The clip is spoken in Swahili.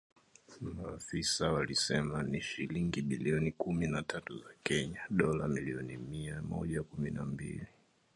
Maafisa walisema ni shilingi bilioni kumi na tatu za Kenya (dola milioni mia moja kumi na mbili)